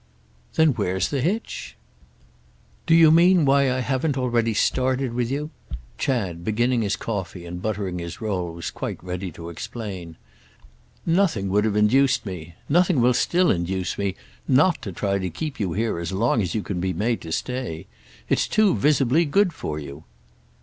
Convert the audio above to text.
"Then where's the hitch?" "Do you mean why I haven't already started with you?" Chad, beginning his coffee and buttering his roll, was quite ready to explain. "Nothing would have induced me—nothing will still induce me—not to try to keep you here as long as you can be made to stay. It's too visibly good for you."